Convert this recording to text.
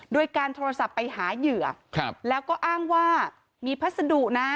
โดยการโทรศัพท์ไปหาเหยื่อแล้วก็อ้างว่ามีพัสดุนะ